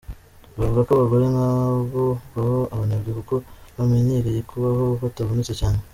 Bavuga ko abagore nkabo baba abanebwe kuko bamenyereye kubaho batavunitse cyane.